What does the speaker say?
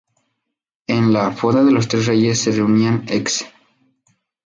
En la "Fonda de los Tres Reyes" se reunían ex.